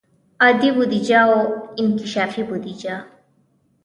عادي بودیجه او انکشافي بودیجه.